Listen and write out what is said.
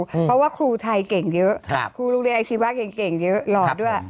เพราะว่าครูไทยเก่งเยอะครูลงเรียนอาร์จิวาร์เก่งเหรอด้วย